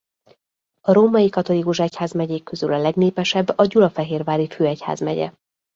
A római katolikus egyházmegyék közül a legnépesebb a Gyulafehérvári főegyházmegye.